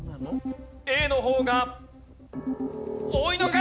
Ａの方が多いのか？